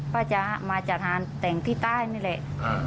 พ่อจ๋ามาจัดหารต่างที่ใต้นี่แหละ